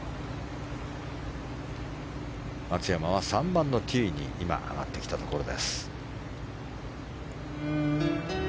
松山は３番のティーに今上がってきたところです。